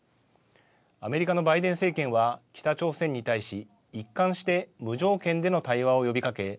アメリカのバイデン政権は北朝鮮に対し、一貫して無条件での対話を呼びかけ